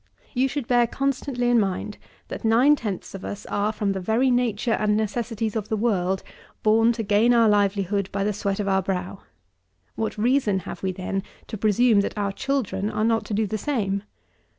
You should bear constantly in mind, that nine tenths of us are, from the very nature and necessities of the world, born to gain our livelihood by the sweat of our brow. What reason have we, then, to presume, that our children are not to do the same?